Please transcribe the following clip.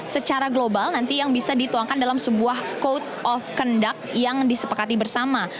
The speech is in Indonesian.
secara global nanti yang bisa dituangkan dalam sebuah code of conduct yang disepakati bersama